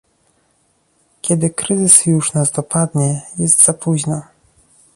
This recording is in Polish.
kiedy kryzys już nas dopadnie, jest za późno